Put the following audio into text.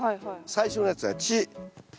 最初のやつは「チ」。